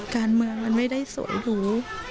การเมืองมันไม่ได้ส่วนรู้